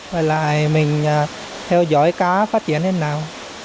rồi lại mình theo dõi cá phát triển thế nào